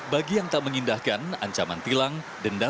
bagi yang tak mengindahkan ancaman tilang denda